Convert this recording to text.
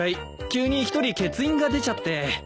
急に１人欠員が出ちゃって。